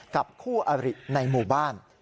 กับคู่อริในหมู่บ้าน